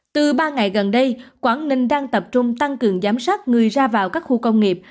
từ ba ngày gần đây quảng ninh đang tập trung tăng cường giám sát người ra vào các khu công nghiệp